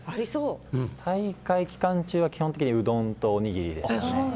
大会期間中は基本的にうどんとおにぎり。